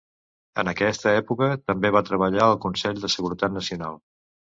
En aquesta època, també va treballar al Consell de Seguretat Nacional.